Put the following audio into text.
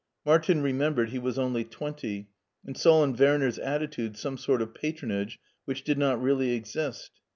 Martin remembered he was only twenty, and saw in Werner's attitude some sort of patronage, which did not really exist.